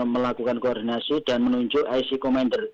melakukan koordinasi dan menunjuk ic commander